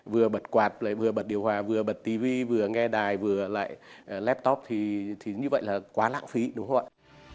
vừa bật quạt lại vừa bật điều hòa vừa bật tv vừa nghe đài vừa lại laptop thì như vậy là quá lãng phí đúng không ạ